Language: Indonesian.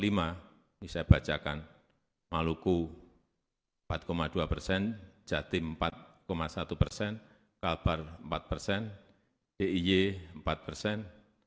ini saya bacakan maluku empat dua persen jatim empat satu persen kalpar empat persen diy empat persen